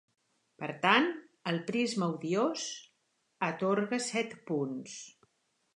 Per tant, el prisma odiós atorga set punts.